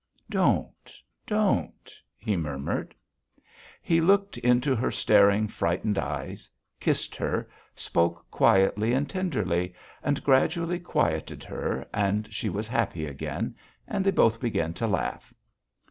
'" "Don't, don't," he murmured. He looked into her staring, frightened eyes, kissed her, spoke quietly and tenderly, and gradually quieted her and she was happy again, and they both began to laugh.